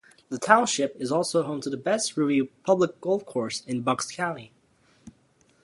The township is also home to the best-reviewed public golf course in Bucks County.